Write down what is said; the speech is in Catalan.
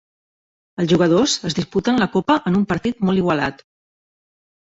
Els jugadors es disputen la copa en un partit molt igualat.